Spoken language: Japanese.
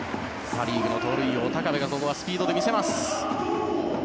パ・リーグの盗塁王高部がここはスピードで見せます。